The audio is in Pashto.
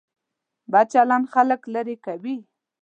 بد چلند خلک لرې کوي.